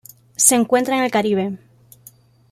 Se encuentra en el Caribe.